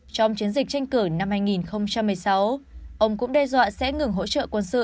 trong chiến dịch tranh cử năm hai nghìn một mươi sáu ông cũng đe dọa sẽ ngừng hỗ trợ quân sự